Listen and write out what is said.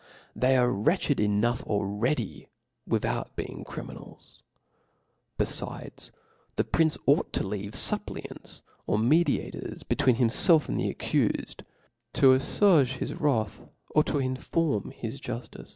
They are wretched enough already with out being criminals : beHdes, the prince ought to fcave ftfp[>iiants or mediators between himfelf and the accbCed, to alTwage Jus wrath, or to itiform his jufHcc.